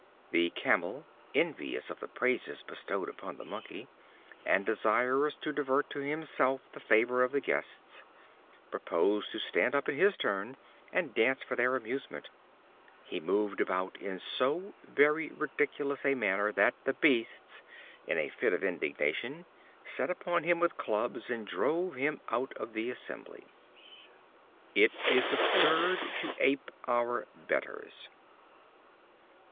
The Camel, envious of the praises bestowed on the Monkey, and desirous to divert to himself the favor of the guests, proposed to stand up in his turn, and dance for their amusement. He moved about in so very ridiculous a manner, that the Beasts, in a fit of indignation, set upon him with clubs, and drove him out of the assembly. It is absurd to ape our betters.